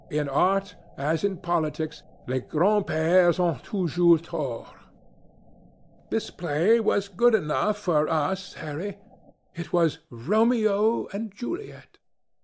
In art, as in politics, les grandpères ont toujours tort." "This play was good enough for us, Harry. It was Romeo and Juliet.